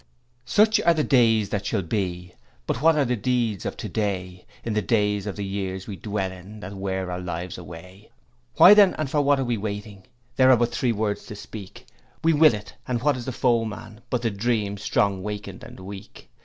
'Such are the days that shall be! but What are the deeds of today, In the days of the years we dwell in, That wear our lives away? Why, then, and for what we are waiting? There are but three words to speak "We will it," and what is the foreman but the dream strong wakened and weak?